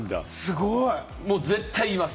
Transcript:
絶対、言います。